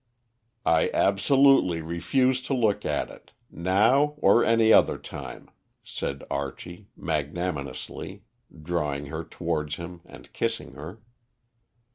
"I absolutely refuse to look at it now or any other time," said Archie magnanimously, drawing her towards him and kissing her.